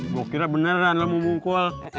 gue kira beneran lo mau mungkol